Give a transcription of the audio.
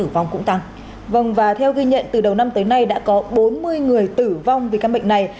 vâng và theo ghi nhận từ đầu năm tới nay đã có bốn mươi người tử vong vì căn bệnh này